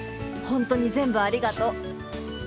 本当に全部ありがとう。